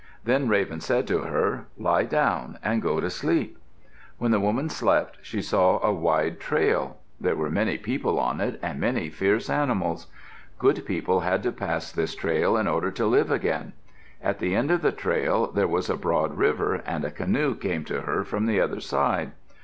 Then Raven said to her, "Lie down and go to sleep." When the woman slept she saw a wide trail. There were many people on it and many fierce animals. Good people had to pass this trail in order to live again. At the end of the trail there was a broad river, and a canoe came to her from the other side.